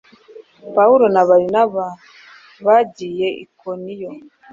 Pawulo na Barinaba bagiye Ikoniyo.